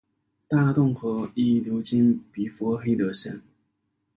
大洞河亦流经比弗黑德县。